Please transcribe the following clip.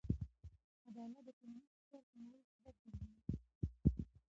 عدالت د ټولنیز فشار کمولو سبب ګرځي.